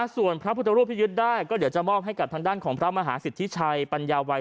ส่วนพระพุทธรูปที่ยึดได้ก็เดี๋ยวจะมอบให้กับทางด้านของพระมหาสิทธิชัยปัญญาวัย